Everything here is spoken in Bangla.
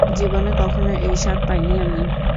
জীবনে কখনো এই স্বাদ পাইনি আমি।